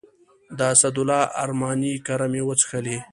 د اسدالله ارماني کره مې وڅښلې.